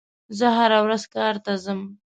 زه هره ورځ کار ته ځم.